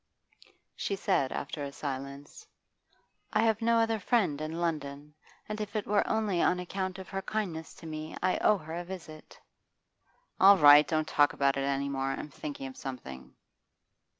She said after a silence: 'I have no other friend in London; and if it were only on account of her kindness to me, I owe her a visit.' 'All right, don't talk about it any more; I'm thinking of something.